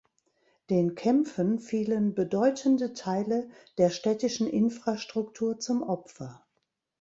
Den Kämpfen fielen bedeutende Teile der städtischen Infrastruktur zum Opfer.